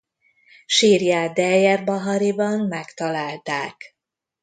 Sírját Dejr el-Bahariban megtalálták.